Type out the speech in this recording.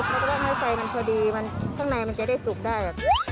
แล้วก็ได้ไฟมันพอดีมันข้างในมันจะได้สุกได้